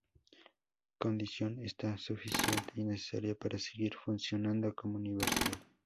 Condición esta, suficiente y necesaria para seguir funcionando como Universidad.